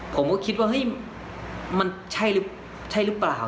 ผมก็คิดว่าเฮ้ยมันใช่หรือเปล่า